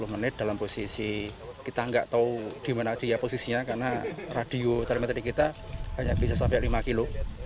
sepuluh menit dalam posisi kita nggak tahu di mana dia posisinya karena radio termetri kita hanya bisa sampai lima kilo